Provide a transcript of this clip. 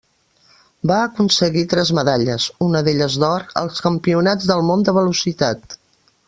Va aconseguir tres medalles, una d'elles d'or, als Campionats del món de velocitat.